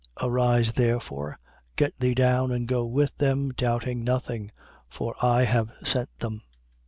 10:20. Arise, therefore: get thee down and go with them, doubting nothing: for I have sent them.